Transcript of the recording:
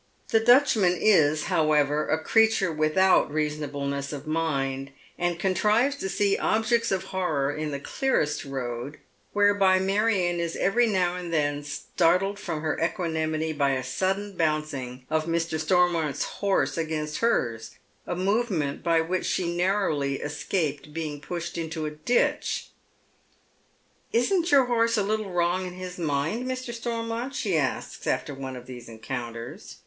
The Dutchman is, however, a creature without reasonableness of mind, and contrives to see objects of hjrror in the clearest road, whereby Marion is every cow and then startled from her equanimity by a sudden bouncing of Mr. Stormont's horse against hers, a movement by which sh* luirrowly escaped being pushed into a ditch, 204 Dead MtiCs Shoes. " Isn't your horee a little wrong in his mind, Mr. Stormont ?" ehe asks, after one of these encounters.